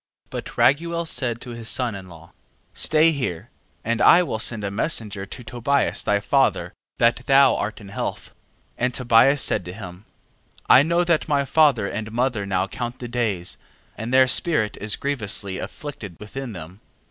10:8. But Raguel said to his son in law: Stay here, and I will send a messenger to Tobias thy father, that thou art in health. 10:9. And Tobias said to him: I know that my father and mother now count the days, and their spirit is grievously afflicted within them.